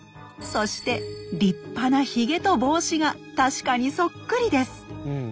そして立派なひげと帽子が確かにそっくりです！